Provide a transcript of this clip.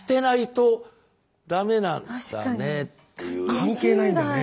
関係ないんだね。